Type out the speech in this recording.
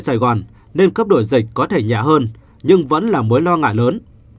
sài gòn nên cấp đổi dịch có thể nhà hơn nhưng vẫn là mối lo ngại lớn